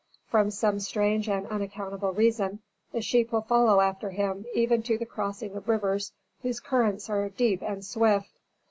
From some strange and unaccountable reason, the sheep will follow after him even to the crossing of rivers whose currents are deep and swift.